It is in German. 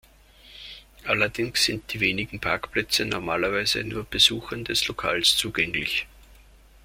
Allerdings sind die wenigen Parkplätze normalerweise nur Besuchern des Lokals zugänglich.